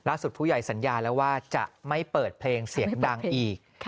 ผู้ใหญ่สัญญาแล้วว่าจะไม่เปิดเพลงเสียงดังอีก